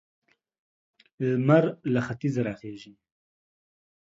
لمر له ختيځه را خيژي.